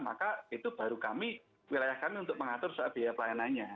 maka itu baru kami wilayah kami untuk mengatur soal biaya pelayanannya